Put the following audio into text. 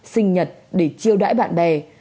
sinh nhật để chiêu đãi bạn bè